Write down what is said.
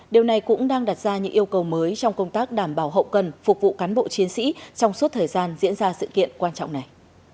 điều này cũng đang đặt ra những yêu cầu mới trong công tác đảm bảo hậu cần phục vụ cán bộ chiến sĩ trong suốt thời gian diễn ra sự kiện quan trọng này